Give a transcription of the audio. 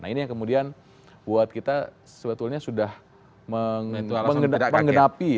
nah ini yang kemudian buat kita sebetulnya sudah mengenapi